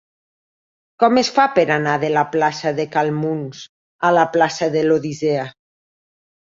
Com es fa per anar de la plaça de Cal Muns a la plaça de l'Odissea?